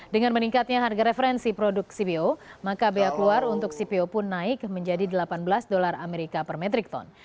dengan meningkatnya harga referensi produk cpo maka biaya keluar untuk cpo pun naik menjadi delapan belas dolar amerika per metrik ton